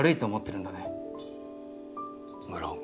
「無論。